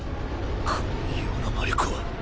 この異様な魔力は。